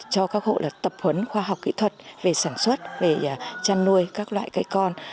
cho các hộ là tập huấn khoa học kỹ thuật về sản xuất về chăn nuôi các loại cây con